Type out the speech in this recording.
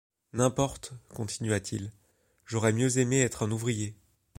N’importe, continua-t-il, j’aurais mieux aimé être un ouvrier...